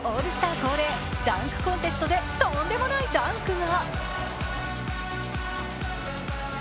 恒例ダンクコンテストでとんでもないダンクが。